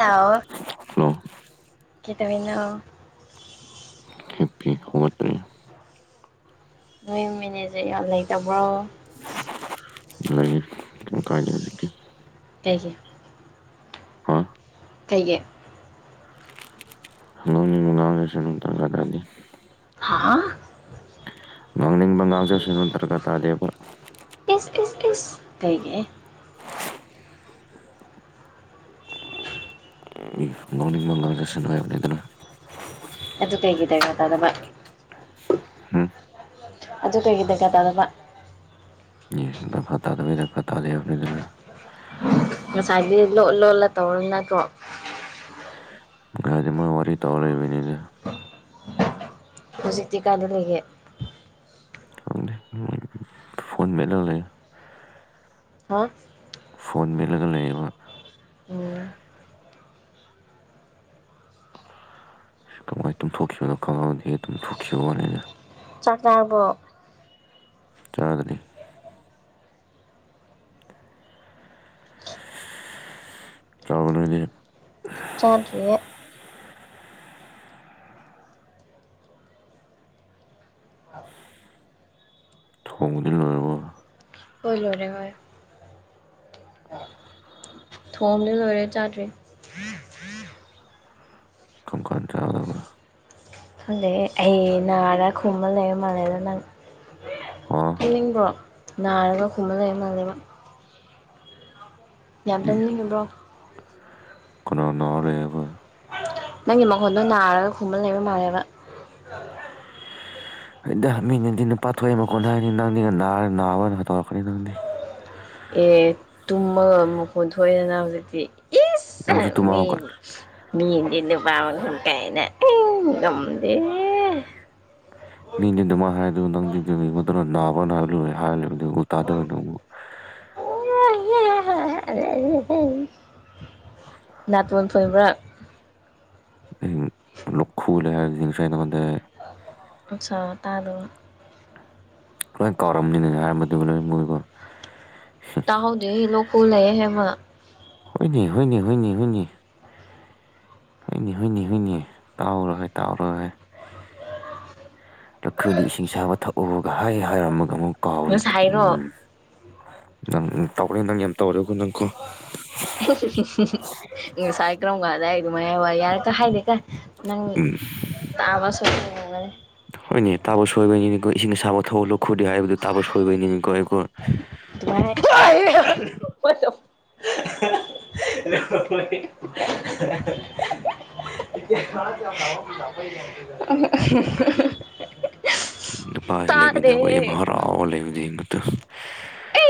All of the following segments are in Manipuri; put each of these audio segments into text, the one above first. ꯍꯜꯂꯣ ꯍꯜꯂꯣ ꯀ ꯇꯃꯤꯅꯣ ꯍꯃꯠꯇ꯭ꯔꯦ ꯅꯣꯏ ꯃꯦꯅꯦꯖꯔ ꯌꯥꯝ ꯂꯩꯇꯕ꯭ꯔꯣ ꯦ ꯊꯦꯡꯒꯤꯨ ꯍꯥ ꯀꯩꯒꯤꯠ ꯗꯤ ꯍꯥ ꯉꯪꯂꯤ ꯪꯉꯒꯥꯜ ꯆ ꯁ ꯎꯇꯔꯀ ꯇꯗꯕ ꯏꯁ ꯏꯁ ꯀꯩꯒꯤ ꯉꯅꯤꯡ ꯃꯪꯒꯜꯗꯁꯟ ꯑꯣꯏꯕꯅꯦ ꯑꯗꯨꯅ ꯑꯗꯨ ꯀ ꯍꯩꯒꯗꯦ ꯉ ꯇꯗꯕꯥ ꯎꯝ ꯇꯇꯩꯒꯤꯗꯔꯀ ꯇꯗꯕ ꯀ ꯇꯗꯦ ꯑꯃꯅꯤꯅꯤꯗꯨꯅ ꯃꯁꯥꯏꯗꯤ ꯂꯣꯂꯂ ꯇꯧꯅꯀꯣ ꯔꯤ ꯇꯧ ꯂꯩꯕꯅꯤꯅꯦ ꯍꯧꯖꯤꯛꯇꯤ ꯀꯥꯟꯗ ꯂꯩꯒꯦ ꯈꯪꯗꯦ ꯃꯣꯏ ꯐꯣꯟ ꯃꯦꯠꯂꯒ ꯂꯩ ꯍꯥ ꯐꯣꯟ ꯃꯦꯠꯂꯒ ꯂꯩꯌꯦꯕ ꯑꯣ ꯊꯨꯈꯤꯈꯤꯕꯌ ꯀꯧꯕꯣ ꯃꯅꯤꯅ ꯆꯥꯛꯀꯔꯕ ꯆꯥꯗ꯭ꯔꯤ ꯆꯥꯔꯕꯣ ꯅꯣꯏꯗꯤ ꯆꯥꯗꯔꯤ ꯊꯣꯡꯕꯗꯤ ꯂꯣꯏꯔꯕꯣ ꯍꯣꯏ ꯂꯣꯏꯦ ꯍꯣꯏ ꯊꯣꯝꯗꯤ ꯂꯣꯏꯔꯦ ꯆꯥꯗ꯭ꯔꯔꯤ ꯀꯔꯝ ꯀꯥꯟ ꯆꯥꯒꯗꯕ ꯁꯖ ꯑꯩ ꯥꯗ ꯈꯨꯝꯃ ꯂꯩꯔ ꯃꯥꯜꯂꯦꯗ ꯅꯪ ꯍꯥ ꯈꯝꯅꯤꯡꯕ꯭ꯔꯣ ꯅꯥꯔꯒ ꯈꯨꯝꯃ ꯂꯩ ꯃꯥꯜꯂꯦꯕ ꯃꯌꯥꯝ ꯏ ꯑꯗꯨꯝ ꯂꯤꯡꯉꯤꯕ꯭ꯔꯣ ꯀꯅꯥ ꯅꯥꯔ ꯂꯩ ꯍꯥꯏꯕ ꯅꯪꯒꯤ ꯃꯈꯣꯟꯗꯣ ꯅꯥꯔꯒ ꯈꯨꯝꯕ ꯂꯩꯕ ꯃꯥꯜꯂꯦꯕ ꯍꯗ ꯃꯤꯅꯗꯤꯅ ꯄꯥꯊꯣꯛꯑ ꯑꯃ ꯀꯣꯟꯅ ꯍꯥꯏꯅꯤ ꯅꯪꯗꯤꯅ ꯅꯥꯔ ꯅꯥꯕꯅ ꯍꯥꯠꯇꯧꯔꯛꯀꯅꯤ ꯅꯪꯗꯤ ꯑꯦ ꯇꯨꯝꯃꯒ ꯃꯈꯣꯟ ꯊꯣꯛꯣꯛꯑꯦꯗꯅ ꯍꯧꯖꯤꯛꯇꯤ ꯏꯁ ꯅꯪꯁꯨ ꯇꯨꯝꯃ ꯃꯤ ꯍꯧꯒꯠ ꯃꯤ ꯂꯤ ꯅꯨ ꯄꯕ ꯍꯨꯟꯀ ꯍꯥꯏꯅ ꯑꯩꯗꯝꯝꯗꯦ ꯃꯤꯗꯤꯗꯨꯃ ꯍꯥꯏ ꯑꯗꯨ ꯅꯪꯗꯤꯗꯤꯉꯣꯟ ꯃꯇꯝꯗ ꯅꯥꯕ꯭ꯔꯥꯅ ꯍꯥꯏꯕ ꯂ ꯍꯥꯏꯔꯂꯕ ꯎ ꯇꯥꯗꯕ ꯅ ꯅꯥꯇꯣꯟ ꯐꯣꯏꯕ꯭ꯔꯥ ꯂꯈꯨ ꯂꯩ ꯁ ꯇꯃꯗ ꯑ ꯁꯥ ꯇꯥꯗ ꯂꯣꯏ ꯀꯥꯎꯔꯝꯅꯤꯅ ꯍꯥꯏꯔꯝꯕꯗꯨꯕꯨ ꯂꯣꯏ ꯃꯣꯏꯀꯣ ꯇꯍꯧꯗꯦ ꯏ ꯂꯣ ꯀꯨꯂꯑꯦ ꯍꯦꯃ ꯍꯅꯦ ꯍꯅꯦ ꯍꯅꯤ ꯍꯅꯤ ꯍꯣꯏꯏꯅꯤ ꯍꯨꯏꯅꯤ ꯍꯨꯏꯅꯤ ꯇꯥꯎꯔꯣꯏ ꯇꯥꯎꯔꯍꯣꯏ ꯂꯧꯈꯣꯏꯅꯤ ꯏꯁꯤꯡ ꯆꯥꯕ ꯊꯛꯎꯒ ꯍꯥꯏ ꯍꯥꯏꯔꯝꯃꯒ ꯑꯃꯨꯛ ꯀꯥꯎꯋꯦ ꯉꯁꯥꯏꯔꯣ ꯎꯝ ꯅꯪ ꯇꯧꯅꯤ ꯅꯪ ꯑ ꯇꯧꯔꯦꯣꯀꯣ ꯅꯪ ꯀꯣ ꯏ ꯆꯥꯏ ꯀꯔꯣ ꯀ ꯃꯌꯥꯏ ꯋꯥꯔꯤ ꯌꯥꯔ ꯀ ꯍꯥꯏꯗꯦ ꯀ ꯅꯪ ꯇꯥꯕ ꯁꯒꯅꯤ ꯍꯣꯏꯅꯦ ꯇꯥꯕꯣ ꯁꯣꯏꯕꯅꯤꯅꯤꯀꯣ ꯏꯁꯤꯡ ꯁꯥꯕ ꯊꯑꯣ ꯂꯧꯈꯣꯗ ꯍꯥꯏꯕꯗꯨ ꯇꯥꯕꯣ ꯁꯣꯏꯕꯅꯤꯅꯤꯀꯣ ꯑꯩꯀꯣ [inaudible] [inaudible] [unintelligible] ꯅꯨꯄꯥꯥꯁꯦ ꯂꯩꯕꯤꯗ ꯇꯥꯗꯦꯍꯦ ꯃꯍ ꯍꯔꯥꯎ ꯂꯩꯕꯤꯗꯠꯇ ꯑ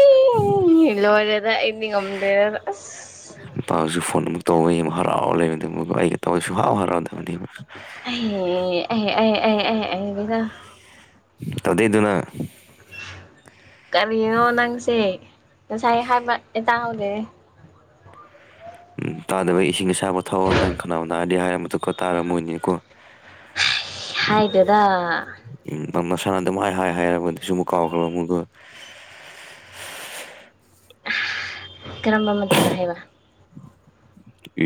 ꯏꯂꯔꯗ ꯏꯅꯤ ꯉꯝꯗꯦꯔ ꯑꯁ ꯅꯨꯄꯥꯁꯨ ꯐꯣꯟ ꯑꯃꯨꯛ ꯇꯧꯕ ꯌꯥꯝ ꯍꯔꯥꯎꯔ ꯂꯩꯕ ꯑꯗꯨ ꯃ ꯑꯩꯒ ꯇꯧꯁꯨ ꯍꯥꯎ ꯍꯔꯥꯎꯗꯦ ꯑꯦ ꯑꯦ ꯑꯦ ꯑꯦ ꯑꯦ ꯑꯦꯕꯤꯗꯥ ꯇꯗꯩꯗꯨꯅ ꯀꯔꯤꯅꯣ ꯅꯪꯁꯦ ꯉꯁꯥꯏ ꯍꯥꯏꯕ ꯑꯦ ꯇꯥꯍꯧꯗꯦ ꯎꯝ ꯇꯥꯗꯕ ꯏꯁꯤꯡ ꯑꯁꯥꯕ ꯊꯥꯎꯋꯥꯩꯅ ꯈꯅꯥꯎ ꯅꯥꯑꯗꯤ ꯍꯥꯏꯔ ꯃꯇꯨꯡꯗꯨ ꯇꯥꯔꯝꯃꯣꯏꯅꯤꯀꯣ [inaudible] ꯍꯥꯏꯗꯦꯗ ꯃꯔꯝꯅ ꯁꯥꯟꯅꯗꯝ ꯍꯥꯏ ꯍꯥꯏ ꯍꯥꯏꯒꯗꯤꯁꯨ ꯑꯃꯨꯛ ꯀꯥꯎꯈ꯭ꯔꯕ ꯑꯃꯨꯒ [inaudible] ꯀꯔꯝꯕ ꯃꯇꯝꯗ ꯍꯥꯏꯕ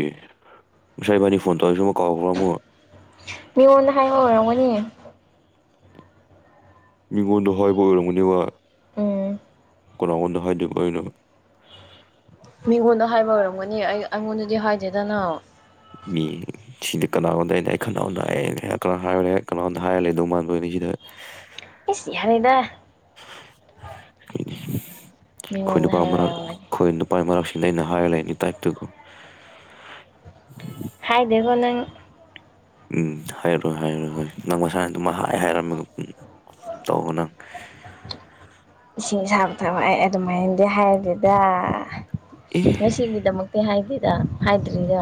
ꯑꯦ ꯉꯁꯥꯏꯕꯥꯅꯤ ꯐꯣꯟ ꯇꯧꯔꯁꯤ ꯑꯃꯨꯛ ꯀꯥꯎꯈ꯭ꯔꯝꯃꯨꯣ ꯃꯤꯉꯣꯟꯗ ꯍꯥꯏꯕ ꯑꯣꯏꯔꯝꯒꯅꯤ ꯃꯤꯉꯣꯟꯗ ꯍꯥꯏꯕꯔꯝꯃꯅꯦ ꯎꯝ ꯀꯅꯥꯗ ꯍꯥꯏꯖ ꯑꯣꯏꯅꯣ ꯃꯤꯉꯣꯟꯗ ꯍꯥꯏꯕ ꯑꯣꯏꯔꯝꯒꯅꯤ ꯑꯩ ꯑꯩꯉꯣꯟꯗꯗꯤ ꯍꯥꯏꯗꯦꯗꯅ ꯁꯤꯗꯤ ꯀꯅꯥꯅꯝꯗ ꯑꯩꯅ ꯑꯩ ꯀꯅꯥꯣꯝꯗ ꯍꯥꯏꯩꯅ ꯀꯅꯥ ꯍꯥꯏꯔꯨꯔꯦ ꯀꯅꯥꯣꯝꯗ ꯍꯥꯏꯔꯂꯦ ꯑꯗꯨ ꯃꯥꯟꯕꯣꯏꯅꯤ ꯁꯤꯗ ꯁꯤ ꯌꯥ ꯌꯥꯅꯤꯗ ꯈꯣꯏꯅꯄꯥ ꯃꯔ ꯈꯣꯏ ꯅꯨꯄꯥꯥꯏ ꯃꯔ ꯑꯩꯅ ꯍꯥꯏꯔ ꯂꯩꯅꯤ ꯇꯥꯏꯞꯇꯨꯒꯣ ꯍꯥꯏꯗꯦꯀꯣ ꯅꯪ ꯎꯝ ꯍꯥꯏꯔꯣꯏ ꯍꯥꯏꯔꯣꯏ ꯍꯣꯏ ꯅꯪ ꯃꯁꯥꯅ ꯑꯗꯨ ꯍꯥꯏꯔꯝꯃꯦꯒꯣ ꯎꯝ ꯇꯧꯕꯅꯪ ꯏꯁꯤꯡ ꯁꯕ ꯊꯕ ꯑꯩ ꯑꯗꯨꯃꯥꯏꯅꯗꯤ ꯍꯥꯏꯗꯨꯗ ꯑꯦ ꯉꯁꯤꯒꯤꯗꯃꯛꯇꯤ ꯍꯥꯏꯦꯗ ꯍꯥꯏꯗ꯭ꯔꯤꯗ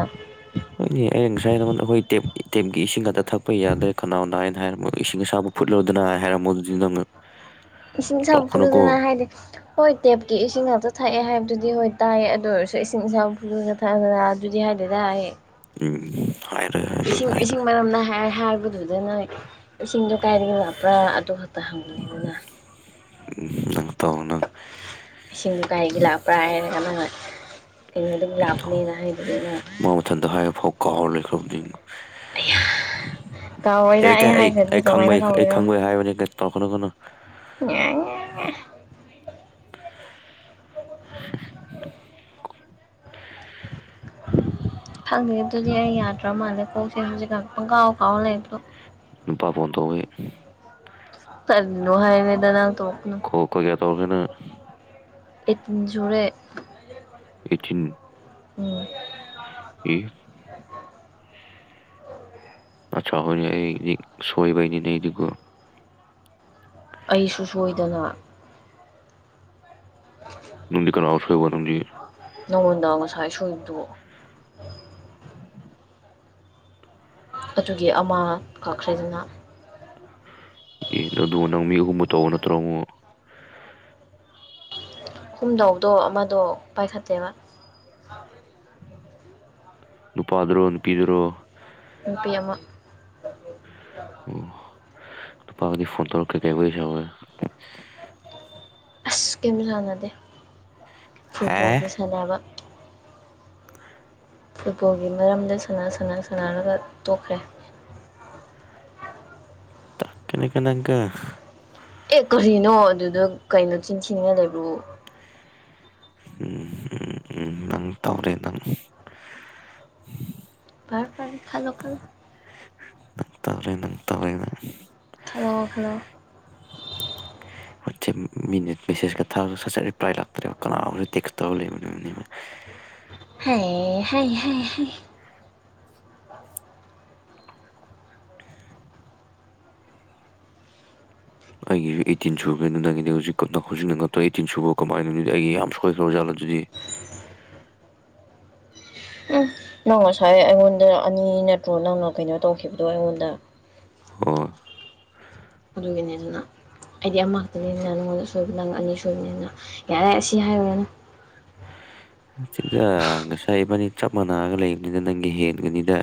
ꯍꯣꯏꯅꯦ ꯑꯩꯅ ꯉꯁꯥꯏ ꯅꯉꯣꯟꯗ ꯑꯩꯈꯣꯏ ꯇꯦꯞꯀꯤ ꯏꯁꯤꯡ ꯈꯥꯛꯛꯇ ꯊꯛꯄ ꯌꯥꯗ꯭ꯔꯦ ꯀꯅꯥꯣ ꯍꯥꯏꯩꯅ ꯍꯥꯏꯔ ꯏꯁꯤꯡ ꯑꯁꯥꯕ ꯀꯨ ꯐꯨꯠ ꯂꯧꯗꯨꯅꯥ ꯍꯦꯔꯝꯣ ꯑꯗꯨꯗꯤꯅ ꯇꯉ ꯏꯁꯤꯡ ꯁꯕ ꯐꯨꯠꯂꯨꯗꯅ ꯍꯥꯏꯗꯤ ꯍꯣꯏ ꯇꯦꯞꯀꯤ ꯏꯁꯤꯡ ꯉꯥꯛꯇ ꯊꯛꯑꯦ ꯍꯥꯏꯕ ꯑꯗꯨꯗꯤ ꯍꯣꯏ ꯇꯥꯏ ꯑꯗꯨ ꯑꯣꯏꯔꯁꯨ ꯏꯁꯤꯡ ꯏꯆꯥꯎ ꯐꯂꯒ ꯊꯛꯗꯅ ꯑꯗꯨꯗꯤ ꯍꯥꯏꯗꯤ ꯇꯔ ꯎꯝ ꯍꯥꯏꯔꯣꯏ ꯍꯥꯏ ꯅꯪ ꯏꯁꯤꯡ ꯏꯁꯤꯡ ꯍꯥꯏꯔꯣꯏ ꯃꯔꯝꯅ ꯍꯥꯏꯕꯗꯨꯗꯅ ꯏꯁꯤꯡꯗꯣ ꯀꯥꯏꯗꯒꯤ ꯂꯥꯛꯄ꯭ꯔꯥ ꯑꯗꯨ ꯇ ꯍꯪꯂꯤꯅꯤꯅ ꯅꯪ ꯇꯧꯅꯪ ꯏꯁꯤꯡꯗꯨꯣ ꯀꯩꯒꯤ ꯂꯥꯛꯄ꯭ꯔꯥ ꯍꯥꯏꯔꯒ ꯅꯪꯉ ꯄꯣ ꯍꯥꯏꯗꯨꯗꯤꯅ ꯃꯥ ꯃꯊꯟꯇ ꯍꯥꯏꯔꯐꯥꯎ ꯀꯥꯎꯔ ꯂꯩꯈ꯭ꯔꯕꯅꯤꯅ [inaudible] ꯀꯥꯎꯔꯣꯏꯗ ꯍꯔ ꯀꯩ ꯑꯩ ꯍꯥꯏꯈ꯭ꯔꯗꯤ ꯑꯩ ꯀꯃꯥꯏꯅ ꯈꯪꯕꯩ ꯑꯩ ꯀꯥꯎꯒꯦꯔꯣ ꯈꯪꯕꯩ ꯍꯥꯏꯕꯅꯤ ꯇ ꯀꯩꯅꯣ ꯀꯩꯅꯣ [inaudible] [inaudible] ꯈꯪꯉ ꯑꯗꯨꯗꯤ ꯑꯩ ꯌꯥꯗ꯭ꯔ ꯃꯥꯜꯂꯦ ꯀꯣꯛꯁꯦꯖꯤꯥꯏꯇꯪ ꯀꯥꯎ ꯀꯥꯎ ꯂꯩꯕꯗꯣ ꯅꯨꯄꯥ ꯐ ꯇꯋꯦ ꯇꯅ ꯍꯥꯏꯋꯦꯗꯅꯥ ꯇ ꯑꯣꯅ ꯇꯒꯅ ꯏꯇꯤꯟꯖꯨꯔꯦ ꯑꯦꯊꯤꯟ ꯎꯝ ꯑꯦ ꯑ ꯆꯥꯎꯈꯣꯏꯅꯤ ꯑꯩ ꯁꯣꯏꯕꯩꯅꯤ ꯅꯗꯨꯒ ꯑꯩꯁꯨ ꯁꯣꯏꯗꯅ ꯇꯗꯤ ꯀꯔ ꯑꯁꯣꯏ ꯑꯗꯨ ꯁꯥꯏ ꯁꯣꯏꯗ ꯑꯗꯨꯒꯤ ꯑꯃ ꯀꯛꯈ꯭ꯔꯦꯗꯅ ꯌꯦ ꯅ ꯑꯗꯨ ꯅꯪ ꯃꯤ ꯍꯨꯝꯃ ꯇꯧꯕ ꯅꯠꯇ꯭ꯔ ꯑꯃ ꯍꯨꯝꯗꯥꯎꯗꯣ ꯑꯃꯗꯣ ꯄꯥꯏꯈꯠꯇꯦꯕ ꯅꯨꯄꯥꯗꯨꯣ ꯅꯨꯄꯤꯗꯨꯔꯣ ꯅꯨꯄꯤ ꯑꯃ ꯄꯥꯗꯤ ꯐꯣꯟ ꯇꯧꯔꯛ ꯀ ꯀꯩꯕꯩꯁꯦ ꯑꯁ ꯀꯩꯝ ꯁꯥꯟꯅꯗꯦ ꯍꯥ ꯐꯨꯠꯕꯣꯜꯒꯤ ꯁꯥꯟꯅꯕ ꯐꯨꯠꯕꯣꯜꯒꯤ ꯃꯔꯝꯗ ꯁ ꯁꯅꯥ ꯁꯅꯔꯒ ꯇꯣꯛꯈ꯭ꯔꯦ ꯇ ꯀꯅꯦ ꯀ ꯇꯪꯀ ꯑꯦ ꯀꯔꯤꯅꯣ ꯑꯗꯨꯗ ꯀꯩꯅꯣ ꯆꯤꯟꯁꯤꯉ ꯂꯩꯕ꯭ꯔꯣ ꯎꯝ ꯎꯝ ꯎꯝ ꯅꯪ ꯇꯧꯔꯦ ꯅꯪ ꯔ ꯄꯥ ꯈꯥꯗ ꯈꯥꯟꯂꯣ ꯇꯧꯔꯦ ꯅꯪ ꯇꯧꯔꯦ ꯅꯪ ꯈꯥꯗ ꯋꯥ ꯈꯟꯗ ꯁꯦꯁ ꯀꯊ ꯁꯠꯁꯠ ꯔꯤ ꯄ꯭ꯔꯥꯏ ꯂꯥꯛꯇꯔꯦꯕ ꯀꯅꯥꯇꯕ ꯂꯩꯕ ꯍꯥꯏ ꯍꯥꯏ ꯍꯥꯏ ꯑꯩꯒꯤꯁꯨ ꯑꯩꯇꯤꯟ ꯁꯨꯕꯦꯅ ꯅꯪꯒꯤꯗꯤ ꯍꯧꯖꯤꯛ ꯍꯧꯖꯤꯛ ꯅꯠꯇ꯭ꯔ ꯑꯩꯇꯤꯟ ꯁꯨꯕꯣ ꯀꯃꯥꯏꯅꯣ ꯑꯩꯒꯤ ꯌꯥꯝ ꯁꯣꯏꯈ꯭ꯔ ꯖꯥꯠꯂꯦ [inaudible] ꯎꯝ ꯅꯪ ꯉꯁꯥꯏ ꯑꯩꯉꯣꯟꯗ ꯑꯅꯤ ꯅꯠꯇ꯭ꯔꯣ ꯅꯪꯅ ꯀꯩꯅꯣ ꯇꯧꯈꯤꯕꯗꯣ ꯑꯩꯉꯣꯟꯗ ꯑꯣ ꯑꯗꯨꯒꯒꯅꯤꯗꯨꯅ ꯑꯩꯗꯤ ꯑꯃꯛꯇꯅꯤꯅ ꯅꯪꯉꯣꯟꯗ ꯁꯣꯏꯕ ꯅꯪ ꯑꯅꯤ ꯁꯣꯏꯕꯅꯤꯅ ꯌꯥꯔꯦ ꯁꯤ ꯍꯥꯏꯔꯨꯔꯅꯨ ꯁꯤꯗ ꯉꯁꯥꯏ ꯢꯕꯅꯤ ꯆꯞ ꯃꯥꯟꯅꯒ ꯂꯩꯕꯅꯤꯅ ꯅꯪꯒꯤ ꯍꯦꯟꯒꯅꯤꯗ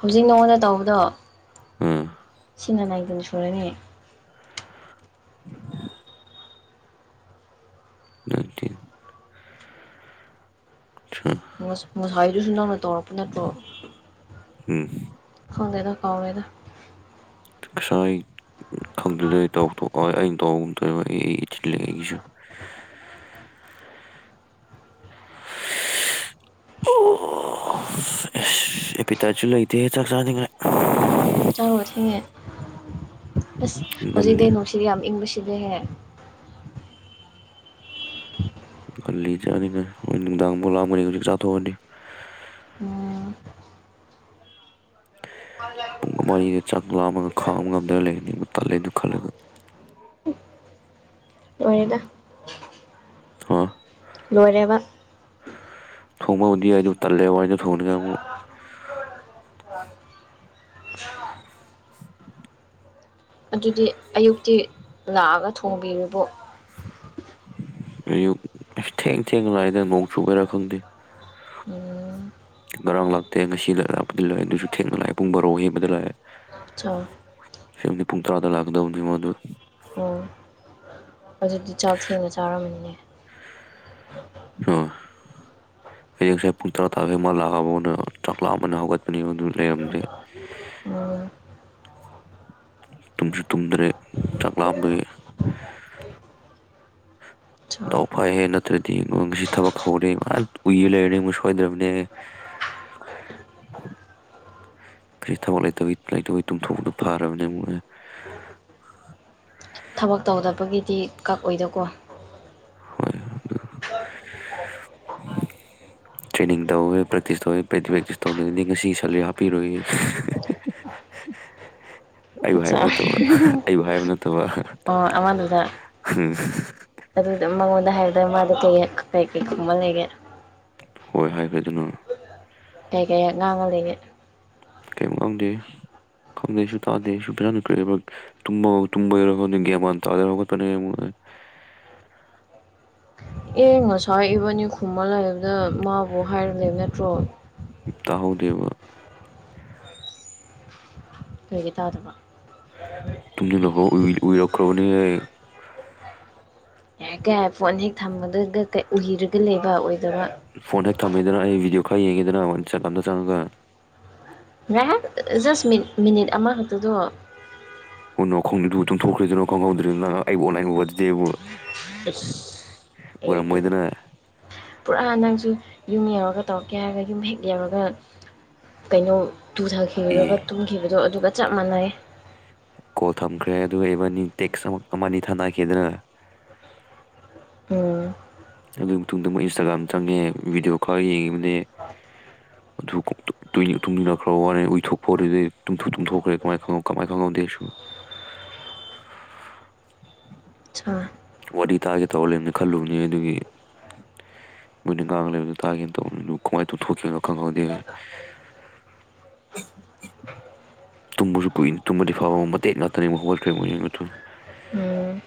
ꯍꯧꯖꯤꯛ ꯅꯉꯣꯟꯗ ꯇꯧꯕꯗꯣ ꯑꯝ ꯁꯤꯅ ꯅꯥꯏꯗꯅ ꯁꯨꯔꯅꯤ ꯅꯠꯇꯦ ꯉꯁꯥꯏꯗꯨꯁꯨ ꯅꯪꯅ ꯇꯧꯔꯛꯄ ꯅꯠꯇ꯭ꯔꯣ ꯎꯝ ꯈꯪꯗꯦꯗ ꯀꯥꯎꯋꯦꯗ ꯉꯁꯥꯏ ꯈꯪꯗꯗꯩ ꯇꯧꯊꯣꯛꯑꯣ ꯑꯩꯅ ꯇꯧ ꯆ ꯂꯩꯁꯨ ꯑꯣ ꯑꯦꯁ ꯑꯦꯄꯤꯇꯥꯁꯨ ꯂꯩꯇꯦ ꯆꯥꯛ ꯆꯥꯅꯤꯡꯂꯦ ꯆꯪꯔꯒ ꯊꯦꯡꯉꯦ ꯑꯁ ꯍꯧꯖꯤꯛꯗꯤ ꯉꯜꯂꯤ ꯅꯨꯡꯁꯤꯗꯤ ꯌꯥꯝ ꯏꯪꯕꯕꯁꯤ ꯁꯤꯗꯒꯤ ꯍꯦꯛ ꯎ ꯀꯜꯂꯤ ꯆꯥꯅꯤꯉ ꯍ ꯅꯨꯡꯗꯥꯡꯕꯨ ꯂꯥꯛꯑꯒꯅꯤ ꯍꯧꯖꯤꯛ ꯆꯥꯊꯣꯛꯑꯗꯤ ꯍ ꯄꯨꯡꯒ ꯃꯔꯤꯗ ꯆꯥꯛ ꯂꯥꯝꯃꯒ ꯈꯥꯝꯃꯒꯝꯗ ꯂꯩꯒꯅꯤ ꯑꯃꯨꯛ ꯇꯥꯂꯦꯗꯨ ꯈꯜꯂꯒ ꯑꯣꯏꯗ ꯑ ꯂꯣꯏꯔꯦꯕ ꯊꯣꯡꯃꯗꯤ ꯑꯗꯨ ꯇꯂꯦꯋꯥꯖꯅ ꯊꯣꯡꯅꯤ ꯌꯥ ꯑꯗꯨꯗꯤ ꯑꯌꯨꯛꯇꯤ ꯂꯥꯛꯑꯒ ꯊꯣꯡꯕꯤꯔꯤꯕꯣ ꯑꯌꯨꯛ ꯊꯦꯡ ꯊꯦꯡ ꯂꯥꯛꯑꯏꯗ ꯅꯣꯡ ꯆꯨꯕꯔꯥ ꯈꯪꯗꯦ ꯎꯝ [inaudible] ꯉꯔꯥꯡ ꯂꯥꯛꯇꯦ ꯉꯁꯤꯗ ꯂꯥꯛꯞꯄꯗꯤ ꯂꯥꯛꯑꯦ ꯑꯗꯨꯁꯨ ꯊꯦꯡꯅ ꯂꯥꯛꯑꯦ ꯄꯨꯡ ꯕꯥꯔꯣ ꯍꯦꯟꯕꯗ ꯂꯥꯛꯑꯦ ꯆꯥꯎ ꯁꯦꯝꯨꯝꯗꯤ ꯄꯨꯡ ꯇꯔꯥꯗ ꯂꯥꯛꯀꯗꯧꯅꯤ ꯃ ꯑꯗꯨ ꯑꯣ ꯑꯗꯨꯗꯤ ꯆꯥꯛ ꯊꯦꯡꯅ ꯆꯥꯔꯝꯃꯅꯤꯅꯦ ꯑ ꯍꯌꯦꯡꯁꯦ ꯄꯨꯡ ꯇꯔꯥ ꯇꯥꯕꯦ ꯃꯥꯜꯂꯥꯛꯑꯕꯅ ꯆꯥꯛꯂꯥꯛꯑ ꯑꯃꯅ ꯍꯧꯒꯠꯄꯅꯤ ꯑꯗꯨ ꯂꯩꯔꯝꯗꯦ ꯑꯣ ꯇꯨꯝꯁꯨ ꯇꯨꯝꯗ꯭ꯔꯦ ꯆꯥꯛꯂꯥꯕ ꯆꯥꯎ ꯗꯥꯎ ꯐꯥꯏꯍꯦ ꯅꯠꯇ꯭ꯔꯗꯤꯁꯤ ꯊꯕꯛ ꯍꯧꯔꯦ ꯎꯏꯔ ꯂꯩꯔꯅꯤ ꯁꯣꯏꯗ꯭ꯔꯕꯅꯦ [inaudible] ꯀꯔꯤ ꯊꯋꯥꯏ ꯂꯩꯇꯧ ꯂꯩꯇꯧꯤ ꯇꯨꯝꯊꯣꯛꯅ ꯐꯔꯕꯅꯤ ꯊꯕꯛ ꯇꯧꯗꯕꯒꯤꯗꯤ ꯀꯛꯑꯣꯏꯗꯀꯣ ꯍ ꯇ꯭ꯔꯦꯅꯤꯡ ꯇꯧꯋꯤ ꯄ꯭ꯔꯦꯛꯇꯤꯁ ꯇꯧꯋꯤ ꯄ꯭ꯔꯦꯛꯇꯤꯁ ꯇꯧꯗꯗꯤ ꯉꯁꯤ ꯁꯦꯂꯔꯤ ꯍꯥꯞꯄꯤꯔꯣꯏ ꯑꯩꯕꯨ ꯍꯥꯏꯕ ꯑꯠꯆꯥ ꯅꯠꯇꯕ ꯑꯩꯕꯨ ꯍꯥꯏꯕ ꯅꯠꯇꯕ ꯑꯣ ꯑꯃꯗꯨꯗ ꯎꯝ ꯍꯥꯏꯗ꯭ꯔ ꯃꯥ ꯇꯄ ꯀ ꯀꯨꯝ ꯃꯅꯦꯒ ꯍꯣꯏ ꯍꯥꯏ ꯀꯗꯅꯣ ꯀ ꯀꯦ ꯉꯥꯡꯉ ꯂꯩꯦ ꯀꯩꯨꯝꯣꯪꯗꯦ ꯀꯪ ꯇꯥꯗꯦ ꯀꯒꯦꯃ [unintelligible] [inaudible] ꯑꯦ ꯉꯁꯥꯏ ꯏꯕꯅꯤ ꯈꯨꯝꯃꯜ ꯂꯩꯕꯗ ꯃꯥꯕꯨ ꯍꯥꯏꯔꯝ ꯂꯩꯕ ꯅꯠꯇ꯭ꯔꯣ ꯇꯥꯍꯧꯗꯕ ꯀꯣꯏꯒꯤꯦ ꯇꯥꯗꯕ ꯇ ꯅꯈꯣ ꯎ ꯎꯏꯔꯈ꯭ꯔꯕꯅꯤ ꯌꯥꯦ ꯀꯩꯔꯦ ꯐꯣꯟ ꯍꯦꯛ ꯊꯝꯃꯗꯒ ꯎꯍꯔꯒ ꯂꯩꯕ ꯑꯣꯏꯗꯕ ꯐꯣꯟ ꯍꯦꯛ ꯊꯝꯃꯦꯗꯅ ꯑꯩ ꯚꯕꯤꯗꯤꯑꯣ ꯈꯔ ꯌꯦꯡꯉꯦꯗꯅ ꯋꯥꯟꯁ ꯑꯃꯗ ꯆꯪꯉꯒ ꯔꯥꯏꯍ ꯖꯁ ꯃꯤꯅꯤꯠ ꯑꯃꯈꯛꯇꯗꯣ ꯍ ꯅꯣꯛ ꯈꯪꯅꯤꯡꯩꯗꯨꯕꯨ ꯑꯗꯨ ꯇ ꯊꯣꯛꯈ꯭ꯔꯗꯣꯏꯅꯣ ꯈꯪꯍꯧꯗ꯭ꯔꯤꯗ ꯅꯪ ꯑꯩꯕꯨ ꯑꯣꯟꯂꯥꯏꯟ ꯑꯣꯏ ꯋꯥꯕꯗꯤꯦꯕꯨ ꯏꯁ ꯑꯩꯗꯤꯕ ꯎꯔꯝꯃꯣꯏꯗꯅ ꯄꯨꯔꯥ ꯅꯪꯁꯨ ꯌꯨꯝ ꯌꯧꯔꯒ ꯇꯧꯔꯛꯀꯦ ꯍꯥꯏꯔꯒ ꯌꯨꯝ ꯍꯦꯛ ꯌꯧꯔꯒ ꯀꯩꯅꯣ ꯇꯨꯊꯈꯤꯕꯒ ꯑꯦ ꯇꯨꯝꯈꯤꯕꯗꯣ ꯑꯗꯨꯒ ꯆꯞ ꯃꯥꯟꯅꯩ ꯀꯣꯜ ꯊꯝꯈ꯭ꯔꯦ ꯑꯗꯨꯒ ꯏꯚꯟꯅꯤ ꯇꯦꯛꯁ ꯑꯃ ꯀꯅꯤ ꯊꯥꯅꯈꯤꯗꯅ [inaudible] ꯎꯝ ꯑꯗꯨꯒꯤ ꯃꯇꯨꯡꯗ ꯃꯣꯏ ꯏꯟꯁꯇꯥꯒ꯭ꯔꯥꯝ ꯆꯪꯉꯦ ꯚꯤꯗꯤꯑꯣ ꯈꯔ ꯌꯦꯡꯉꯤꯕꯅꯦ ꯑꯗꯨ ꯇꯨꯝꯃꯤꯟꯅꯈ꯭ꯔꯕ ꯋꯥꯔꯦ ꯎꯏꯊꯣꯛꯄꯨꯝ ꯇꯨꯝꯊꯣꯛꯈ꯭ꯔꯦ ꯀꯃꯥꯏ ꯈꯪꯉ ꯀꯃꯥꯏ ꯈꯪꯉꯛ [inaudible] ꯁꯥ ꯋꯥꯔꯤ ꯇꯥꯒꯦ ꯇꯧꯔ ꯂꯩꯔꯝꯅꯤ ꯈꯜꯂꯨꯕꯅꯤ ꯑꯗꯨꯒꯤ ꯃꯣꯏꯗꯤ ꯀꯥꯡ ꯂꯩꯕꯗꯨ ꯇꯥꯒꯦꯅ ꯇꯅꯤ ꯀꯃꯥꯏ ꯇꯨꯊꯣꯛꯀꯦꯅ ꯈꯪꯍꯧꯗꯦꯦ [inaudible] ꯇꯨꯝꯕꯁꯨ ꯀꯨꯏꯅꯤ ꯇꯨꯝꯕꯗꯤ ꯐꯥꯎꯕ ꯃꯇꯦꯛ ꯉꯥꯛꯇꯅꯤ ꯃꯍ ꯍꯧꯠꯈ꯭ꯔꯦ [inaudible] ꯎꯝ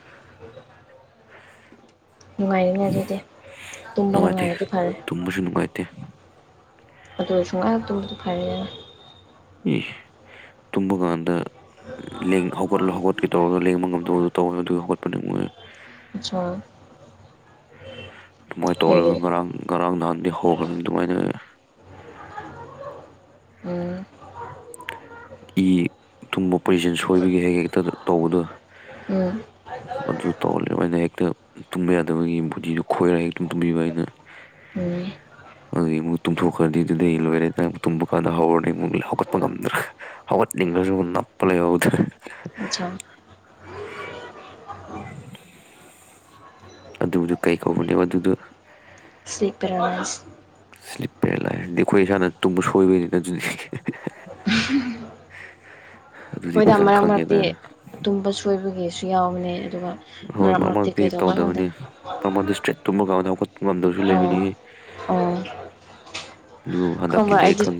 ꯅꯨꯡꯉꯥꯏꯔꯤꯅꯦ ꯑꯗꯨꯗꯤ ꯇꯨꯝꯕ ꯅꯨꯡꯉꯥꯏꯇꯦ ꯅꯨꯡꯉꯥꯏꯔꯗꯤ ꯐꯔꯦ [inaudible] ꯑꯗꯨꯒ ꯁꯨꯡꯉꯥꯏꯇꯕꯗꯤ ꯐꯔꯦꯅ ꯏ ꯇꯨꯝꯃꯀꯥꯟꯗ ꯍꯧꯒꯠꯂ ꯍꯧꯒꯠꯀꯦ ꯇꯧꯔꯒ ꯂꯦꯡꯕ ꯉꯝꯗꯕꯗꯣ ꯇꯧꯋꯦ ꯑꯗꯨꯒꯤ ꯍꯧꯒꯠꯄꯅꯦ ꯃꯣꯏ [inaudible] ꯍꯉꫭꯏ ꯀꯩꯒꯤ ꯇꫭꯡꯔꯒ ꯉꯔꯥꯡ ꯉꯔꯥꯡ ꯗꯥꯡꯗꯤ ꯍꯧꯈ꯭ꯔꯕꯅꯤ ꯗꯨꯃꯥꯏꯅ ꯎꯝ ꯏ ꯇꯨꯝꯕ ꯄꯖꯤꯁꯟ ꯁꯣꯏꯕꯒꯤ ꯍꯦꯛ ꯍꯦꯛꯇ ꯇꯧꯕꯗꯣ ꯍꯥꯏ ꯑꯗꯨ ꯇꯧꯍꯜꯂꯦ ꯑꯩꯅ ꯍꯦꯛꯇ ꯇꯨꯝꯕ ꯌꯥꯗꯕꯒꯤ ꯕꯨꯣꯗꯤꯗꯨ ꯈꯣꯏꯔꯒ ꯍꯦꯛꯇ ꯇꯨꯝꯕꯤꯕ ꯑꯩꯅ ꯎꯝ ꯏ ꯇ ꯍꯗꯤꯗꯦ ꯏꯦꯔ ꯇꯨꯝ ꯀ ꯍꯋꯥꯄ ꯭ꯔ ꯑꯋꯥꯠ ꯅꯤꯡ ꯅꯞꯄꯂꯦ ꯌꯎꯗ ꯑꯠꯁꯥ [inaudible] ꯑꯗꯨꯗꯨ ꯀꯩ ꯀꯧꯕꯅꯦꯕ ꯑꯗꯨꯗ ꯁꯤ ꯄꯔꯁ ꯏꯁ꯭ꯂꯤꯞꯄꯔ ꯂꯥꯛꯔꯗꯤ ꯑꯩꯈꯣꯏ ꯏꯁꯥꯅ ꯇꯨꯝꯕ ꯁꯣꯏꯕꯩꯅꯤꯅ ꯑꯗꯨ [inaudible] ꯍꯣꯏꯗꯥ ꯃꯔꯛ ꯃꯔꯛꯇꯤ ꯇꯨꯝꯕ ꯁꯣꯏꯕꯒꯤꯁꯨ ꯌꯥꯎꯕꯅꯦ ꯑꯗꯨꯒ ꯍꯣꯏ ꯃꯔꯛ ꯃꯔꯛꯇꯤ ꯃꯔꯃꯛꯇꯗꯤ ꯀꯩꯗꯧꯕ ꯈꯪꯗꯦ ꯇꯧꯗꯕꯅꯤ ꯃꯔ ꯃꯔꯗꯤ ꯏꯁꯇ꯭ꯔꯦꯠ ꯇꯨꯝꯕ ꯀꯅꯤ ꯉꯝꯗꯕꯁꯨ ꯑꯣ ꯂꯩꯕꯅꯤꯉ ꯑꯣ ꯑꯗꯨ ꯈꯪꯕ꯭ꯔꯥ ꯍꯟꯗꯛꯀꯤꯗꯤ ꯑꯩ ꯑꯩꯗꯤ ꯈꯪ